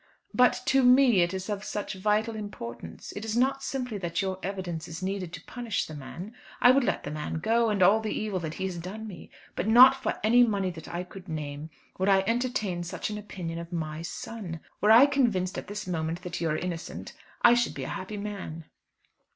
"But to me it is of such vital importance! It is not simply that your evidence is needed to punish the man; I would let the man go and all the evil that he has done me. But not for any money that I could name would I entertain such an opinion of my son. Were I convinced at this moment that you are innocent, I should be a happy man."